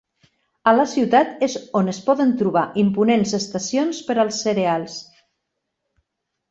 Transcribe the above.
A la ciutat és on es poden trobar imponents estacions per als cereals.